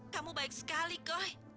kamu baik sekali koi